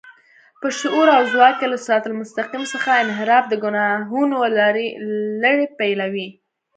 په شعور او ځواک کې له صراط المستقيم څخه انحراف د ګناهونو لړۍ پيلوي.